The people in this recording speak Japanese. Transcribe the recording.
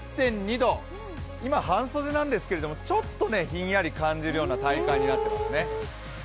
今、半袖なんですが、ちょっとひんやり感じるような体感になってますね。